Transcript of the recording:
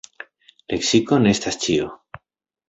Leksiko ne estas ĉio.